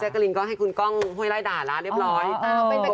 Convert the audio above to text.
ซะกรินก็ให้คุณกล้องฮวยล่ายด่าแล้วเรียบร้อย